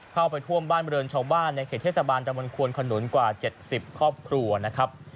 เข้าไปท่วมบ้านบริเวณชาวบ้านในเขตเทศบาลดำควนขนุนกว่า๗๐ครอบครัวนะครับ